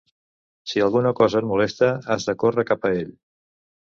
Si alguna cosa et molesta, has de córrer cap a ell.